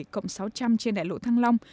cộng sáu trăm linh trên đại lộ thăng long